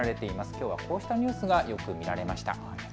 きょうはこうしたニュースがよく見られました。